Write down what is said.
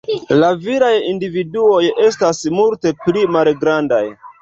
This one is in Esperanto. La viraj individuoj estas multe pli malgrandaj.